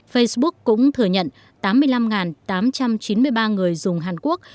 facebook cũng thừa nhận tám mươi năm tám trăm chín mươi ba người dùng hàn quốc